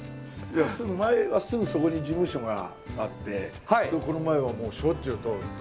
前はすぐそこに事務所があってこの前をしょっちゅう通って。